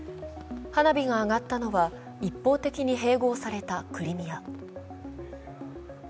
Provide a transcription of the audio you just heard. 花火が上がったのは一方的に併合されたクリミア。